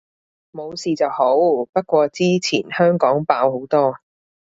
冇事就好，不過之前香港爆好多